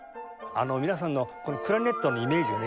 皆さんのクラリネットのイメージをね